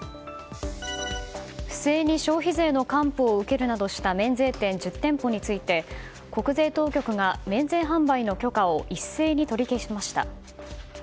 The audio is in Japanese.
不正に消費税の還付を受けるなどした免税店１０店舗について国税当局が免税販売の許可を一斉に取り消しました。